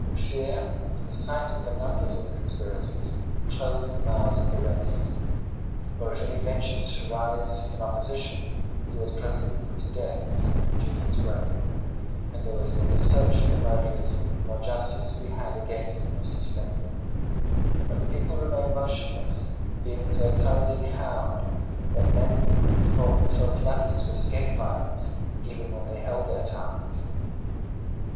Fear, and the sight of the numbers of the conspirators, closed the mouths of the rest; or if any ventured to rise in opposition, he was presently put to death in some convenient way, and there was neither search for the murderers nor justice to be had against them if suspected; but the people remained motionless, being so thoroughly cowed that men thought themselves lucky to escape violence, even when they held their tongues.